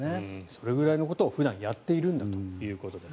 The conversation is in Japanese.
それぐらいのことを普段やっているんだということです。